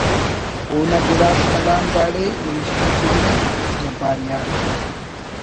اونا گڑاس کلام داڑے نوشتہ کینہ جبار یار